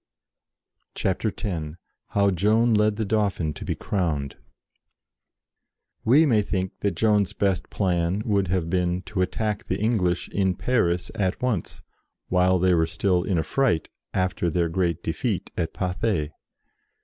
CHAPTER X HOW JOAN LED THE DAUPHIN TO BE CROWNED TT7E may think that Joan's best plan * would have been to attack the Eng lish in Paris at once, while they were still in a fright, after their great defeat at Pathay.